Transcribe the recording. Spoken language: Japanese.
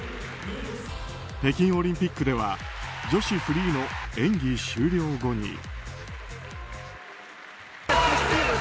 北京オリンピックでは女子フリーの演技終了後に。